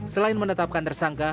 selain menetapkan tersangka